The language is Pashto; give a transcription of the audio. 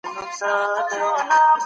عصري ژوند له موږ څخه نوې پوهه غواړي.